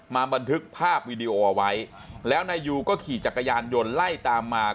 บันทึกภาพวีดีโอเอาไว้แล้วนายยูก็ขี่จักรยานยนต์ไล่ตามมา